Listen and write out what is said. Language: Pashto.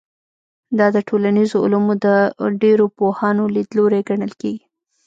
دا د ټولنیزو علومو د ډېرو پوهانو لیدلوری ګڼل کېږي.